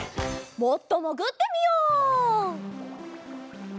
もっともぐってみよう！